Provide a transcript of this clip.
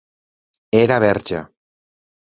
Era verge.